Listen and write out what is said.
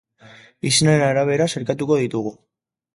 Izenaren arabera sailkatuko ditugu.